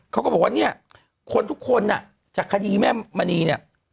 เขาก็บอกว่าเนี่ยคนทุกคนจากคดีแม่มณีเนี่ย